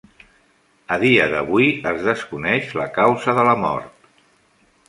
A dia d'avui es desconeix la causa de la mort.